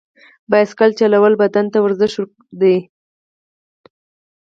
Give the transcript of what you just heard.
بایسکل چلول بدن ته ښه ورزش دی.